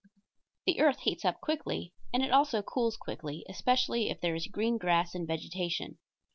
The earth heats up quickly, and it also cools quickly, especially if there is green grass and vegetation.